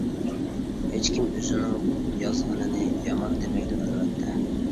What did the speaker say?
ھېچكىم ئۆزىنىڭ يازغىنىنى يامان دېمەيدۇ ئەلۋەتتە!